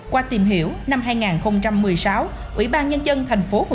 qua tìm hiểu năm hai nghìn một mươi sáu ủy ban nhân dân tp hcm đã phê chuyệt dự án